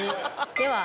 では。